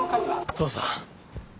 父さん。